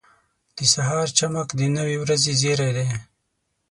• د سهار چمک د نوې ورځې زیری دی.